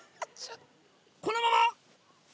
このまま。